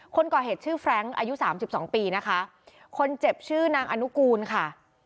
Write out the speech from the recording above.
คนก่อเหตุชื่อฟรแรงค์อายุ๓๒ปีนะคะคนเจ็บชื่อนางอนุกูลค่ะ